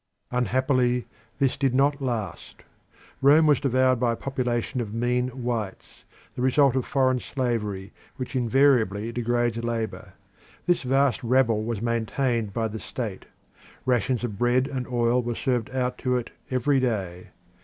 Unhappily this did not last. Rome was devoured by a population of mean whites, the result of foreign slavery, which invariably degrades labour. This vast rabble was maintained by the state; rations of bread and oil were served out to it every day.